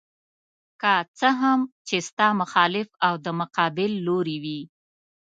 که څه هم چې ستا مخالف او د مقابل لوري وي.